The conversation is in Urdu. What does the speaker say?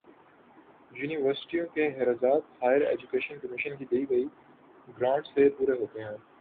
یونیورسٹیوں کے اخراجات ہائیر ایجوکیشن کمیشن کی دی گئی گرانٹ سے پورے ہوتے ہیں۔